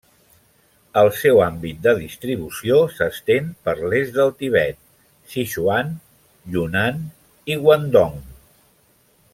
El seu àmbit de distribució s'estén per l'est del Tibet, Sichuan, Yunnan i Guangdong.